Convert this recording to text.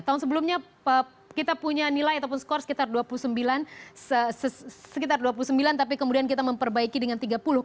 tahun sebelumnya kita punya nilai ataupun skor sekitar dua puluh sembilan tapi kemudian kita memperbaiki dengan tiga puluh sembilan